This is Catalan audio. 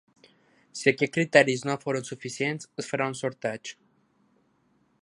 Si aquests criteris no foren suficients es farà un sorteig.